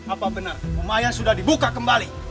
apa benar lumayan sudah dibuka kembali